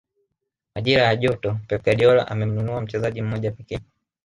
majira ya joto pep guardiola amemnunua mchezaji mmoja pekee